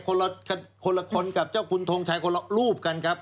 คนละคนกับเจ้าคุณทงชัยคนละรูปกันครับ